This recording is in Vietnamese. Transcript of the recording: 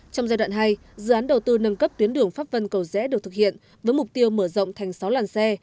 trong giai đoạn hai dự án đầu tư nâng cấp tuyến đường pháp vân cầu rẽ được thực hiện với mục tiêu mở rộng thành sáu làn xe